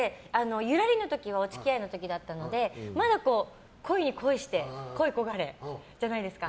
「ゆらり」の時はお付き合いの時だったのでまだ恋に恋して恋い焦がれじゃないですか。